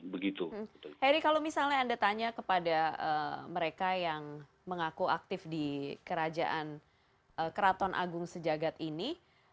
heri kalau misalnya anda tanya kepada mereka yang mengaku aktif di kerajaan keraton agung sejagat ini